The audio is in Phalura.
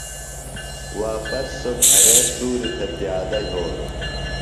واپس سوۡ گھرے سُوریۡ تھےۡ پیادہ یھولوۡ۔